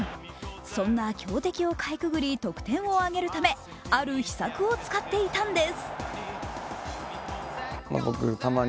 そんな強敵をかいくぐり得点を挙げるためある秘策を使っていたんです。